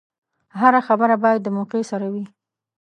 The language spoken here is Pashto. هره خبره باید د موقع سره وي.